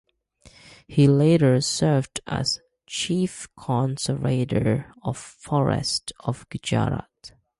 He later served as chief conservator of forests of Gujarat.